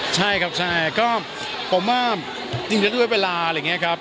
ใช่ครับใช่ก็ผมว่าจริงแล้วด้วยเวลาอะไรอย่างนี้ครับ